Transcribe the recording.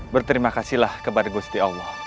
berterima kasihlah kepada gusti allah